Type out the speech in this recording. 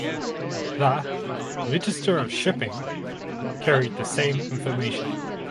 The "Register of Shipping" carried the same information.